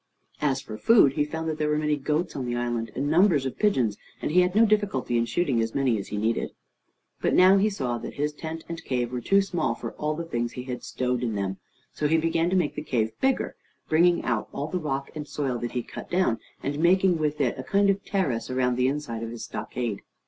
As for food, he found that there were many goats on the island, and numbers of pigeons, and he had no difficulty in shooting as many as he needed. But now he saw that his tent and cave were too small for all the things he had stowed in them, so he began to make the cave bigger, bringing out all the rock and soil that he cut down, and making with it a kind of terrace round the inside of his stockade.